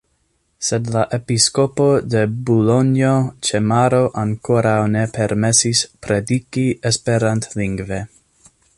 Sed la episkopo de Bulonjo ĉe Maro ankoraŭ ne permesis prediki esperantlingve.